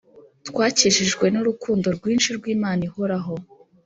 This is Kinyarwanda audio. twakikijwe nu rukundo rwinshi rwi imana ihoraho